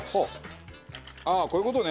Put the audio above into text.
ああーこういう事ね。